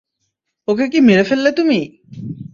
ওকে কি মেরে ফেললে তুমি?